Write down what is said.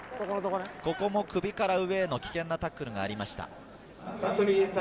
ここも首から上への危険なタックルがありました。